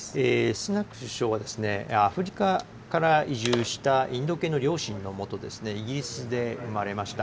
スナク首相はアフリカから移住したインド系の両親のもと、イギリスで生まれました。